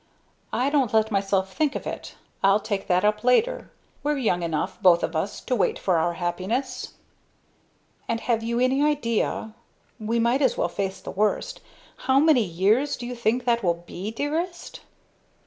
"I don't let myself think of it. I'll take that up later. We're young enough, both of us, to wait for our happiness." "And have you any idea we might as well face the worst how many years do you think that will be, dearest?"